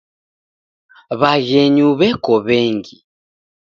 W'aghenyu w'eko w'engi.